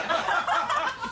ハハハ